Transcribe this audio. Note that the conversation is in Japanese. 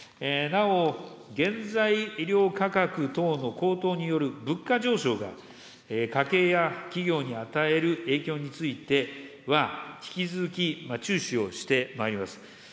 なお、原材料価格等の高騰による物価上昇が、家計や企業に与える影響については、引き続き注視をしてまいります。